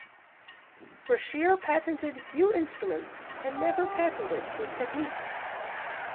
Brashear patented few instruments and never patented his techniques.